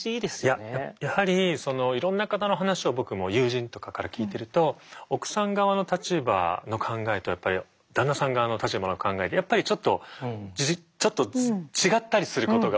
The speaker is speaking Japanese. いややはりいろんな方の話を僕も友人とかから聞いてると奥さん側の立場の考えとやっぱり旦那さん側の立場の考えでやっぱりちょっとちょっと違ったりすることが多くて。